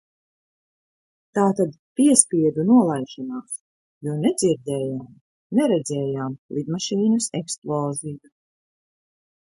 Tātad piespiedu nolaišanās, jo nedzirdējām, neredzējām lidmašīnas eksploziju.